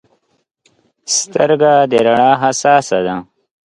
سترګه د رڼا حساسه ده.